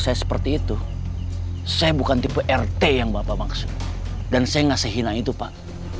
saya seperti itu saya bukan tipe rt yang bapak maksud dan saya nggak sehina itu pak